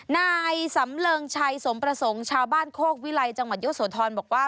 นายสำเริงชัยสมประสงค์ชาวบ้านโคกวิลัยจังหวัดเยอะโสธรบอกว่า